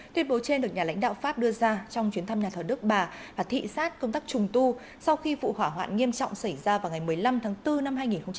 tuyên bố trên được nhà lãnh đạo pháp đưa ra trong chuyến thăm nhà thờ đức bà và thị xác công tác trùng tu sau khi vụ hỏa hoạn nghiêm trọng xảy ra vào ngày một mươi năm tháng bốn năm hai nghìn một mươi chín